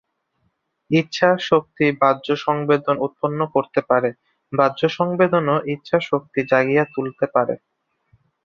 ইচ্ছা-শক্তি বাহ্য সংবেদন উৎপন্ন করতে পারে, বাহ্য সংবেদনও ইচ্ছা-শক্তি জাগিয়ে তুলতে পারে।